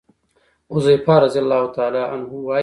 حذيفه رضي الله عنه وايي: